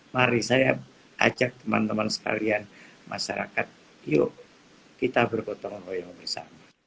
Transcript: mari saya ajak teman teman sekalian masyarakat yuk kita berkotongan oleh umur kita